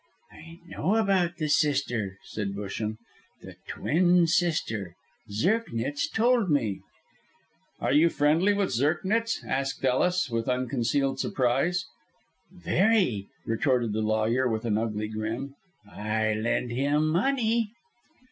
"I know about the sister," said Busham. "The twin sister. Zirknitz told me." "Are you friendly with Zirknitz?" asked Ellis, with unconcealed surprise. "Very!" retorted the lawyer, with an ugly grin. "I lend him money."